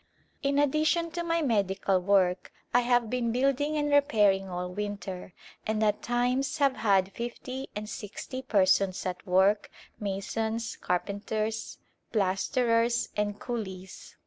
In addition to my medical work I have been build ing and repairing all winter and at times have had fifty and sixty persons at work, masons, carpenters, plasterers and coolies.